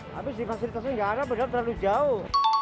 habis di fasilitasnya nggak ada padahal terlalu jauh